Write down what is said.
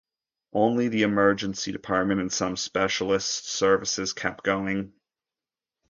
Only the emergency department and some specialist services kept going.